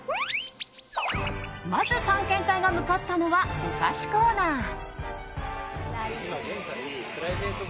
まず、探検隊が向かったのはお菓子コーナー。